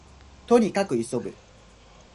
兎に角急ぐ